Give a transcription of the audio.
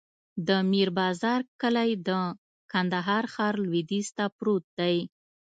د میر بازار کلی د کندهار ښار لویدیځ ته پروت دی.